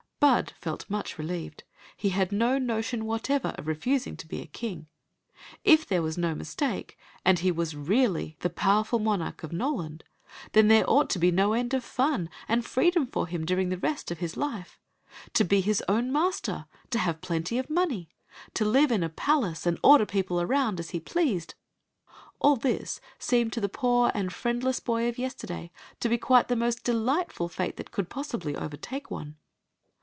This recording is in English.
Bud felt much relieved. He had no notion what ever oi refusing to be a king. If there was no mis take, and he was really the powerful monarch of Noland, then there ought to be no end of fun and freedom for him during the rest of his life To be his own master ; to have plenty of money ; to live in a palace and order people around as he pleased — all this seemed to the poor and friendless boy (d yester day to be quite the most delight^^ &te d^ could, possibly overtake one.